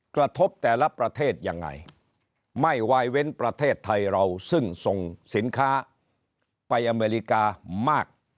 กระทบแต่ละประเทศยังไงไม่วายเว้นประเทศไทยเราซึ่งส่งสินค้าไปอเมริกามาก